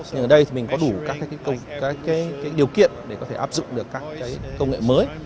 nhưng ở đây thì mình có đủ các điều kiện để có thể áp dụng được các công nghệ mới